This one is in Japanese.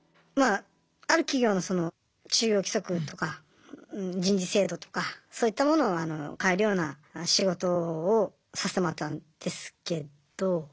まあある企業のその就業規則とか人事制度とかそういったものを変えるような仕事をさせてもらったんですけど。